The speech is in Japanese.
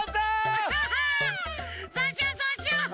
アハハそうしようそうしよう！